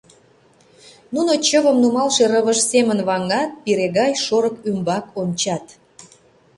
Нуно чывым нумалше рывыж семын ваҥат, пире гай шорык ӱмбак ончат.